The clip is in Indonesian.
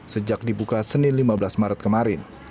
sejak dibuka senin lima belas maret kemarin